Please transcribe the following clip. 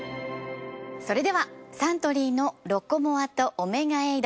それではサントリーのロコモアとオメガエイド